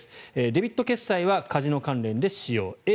デビット決済はカジノ関連で使用。